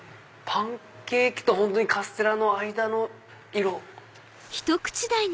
パンケーキとカステラの間の色。